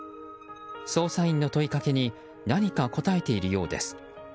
捜査員の問いかけに何か答えているようです。